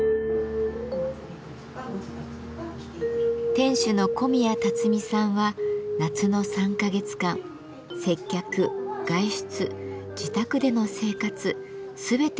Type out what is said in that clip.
店主の小宮たつみさんは夏の３か月間接客外出自宅での生活全てを浴衣で過ごします。